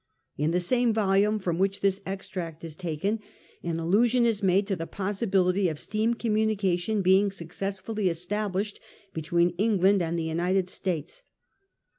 In the same volume from which this extract is taken an allusion is made to the possibility of steam communication being successfully established between England and the United States.